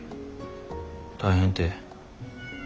大変て？